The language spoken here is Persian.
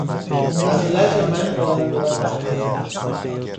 از لج من بلند بلند حرف میزد.